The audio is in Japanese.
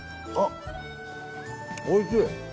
△おいしい。